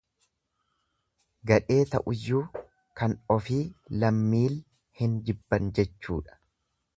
Gadhee ta'uyyuu kan ofii lammiil hin jibban jechuudha.